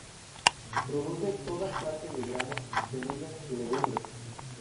Produce toda clase de granos, semillas y legumbres.